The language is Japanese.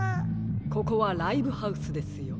ここはライブハウスですよ。